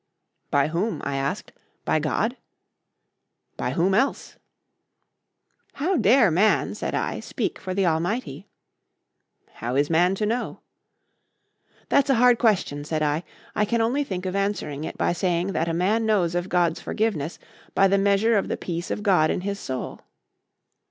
"By whom?" I asked. "By God?" "By whom else?" "How dare man," said I, "speak for the Almighty?" "How is man to know?" "That's a hard question," said I. "I can only think of answering it by saying that a man knows of God's forgiveness by the measure of the Peace of God in his soul."